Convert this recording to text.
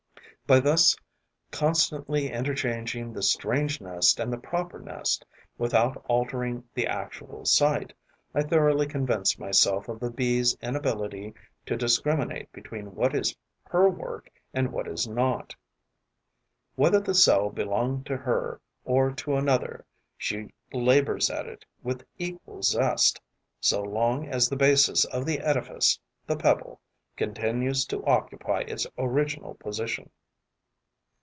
By thus constantly interchanging the strange nest and the proper nest, without altering the actual site, I thoroughly convinced myself of the Bee's inability to discriminate between what is her work and what is not. Whether the cell belong to her or to another, she labours at it with equal zest, so long as the basis of the edifice, the pebble, continues to occupy its original position.